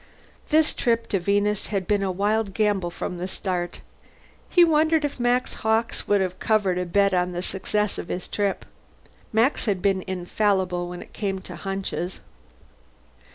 This trip to Venus had been a wild gamble from the start. He wondered if Max Hawkes would have covered a bet on the success of his trip. Max had been infallible when it came to hunches.